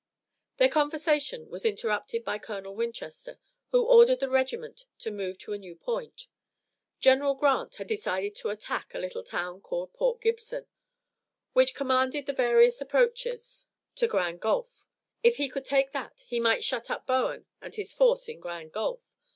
Their conversation was interrupted by Colonel Winchester, who ordered the regiment to move to a new point. General Grant had decided to attack a little town called Port Gibson, which commanded the various approaches to Grand Gulf. If he could take that he might shut up Bowen and his force in Grand Gulf.